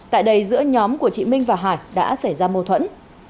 tại đây giữa nhóm của chị minh và hải đã xảy ra mâu thuẫn